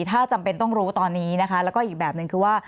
ถ้าจำเป็นต้องรู้ตอนนี้นะคะแล้วก็อีกแบบหนึ่งคือว่า